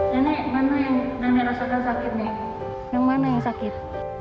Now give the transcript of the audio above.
dane mana yang dane rasakan sakit dane yang mana yang sakit